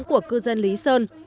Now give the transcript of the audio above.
của cư dân lý sơn